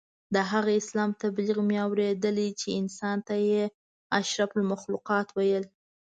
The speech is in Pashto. د هغه اسلام تبلیغ مې اورېدلی چې انسان ته یې اشرف المخلوقات ویل.